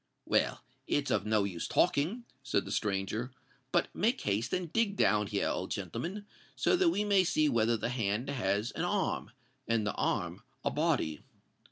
"Well—it's of no use talking," said the stranger: "but make haste and dig down here, old gentleman—so that we may see whether the hand has an arm, and the arm a body."